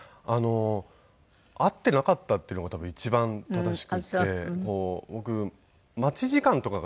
合っていなかったっていうのが多分一番正しくて僕待ち時間とかが苦手なんですよ。